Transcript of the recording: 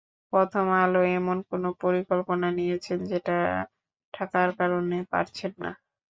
প্রথম আলো এমন কোনো পরিকল্পনা নিয়েছেন, যেটা টাকার কারণে পারছেন না?